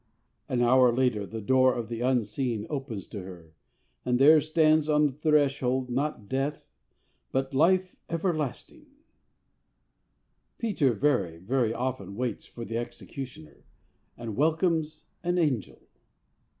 An hour later the door of the unseen opens to her, and there stands on the threshold, not Death, but Life Everlasting! Peter very, very often waits for the executioner, and welcomes an angel.